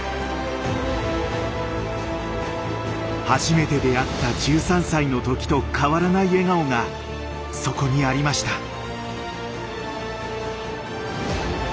初めて出会った１３歳の時と変わらない笑顔がそこにありました。